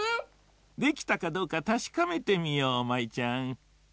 できたかどうかたしかめてみよう舞ちゃん。